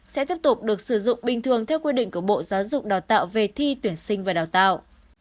sẽ tiếp tục được sử dụng bình thường theo quy định của bộ giáo dục đào tạo về thi tuyển sinh và đào tạo